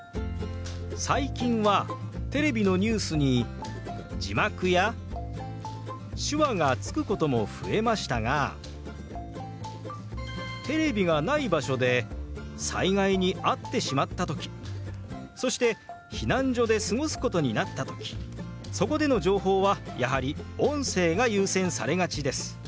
最近はテレビのニュースに字幕や手話がつくことも増えましたがテレビがない場所で災害に遭ってしまった時そして避難所で過ごすことになった時そこでの情報はやはり音声が優先されがちです。